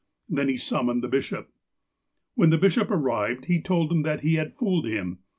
Then he summoned the bishop. When the bishop arrived, he told him that he had fooled him.